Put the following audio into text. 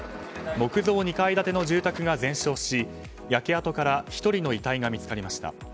木造２階建ての住宅が全焼し焼け跡から１人の遺体が見つかりました。